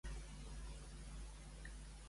Què volia assolir Pérez-Salmerón?